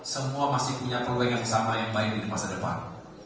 semua masih punya peluang yang sama yang baik di masa depan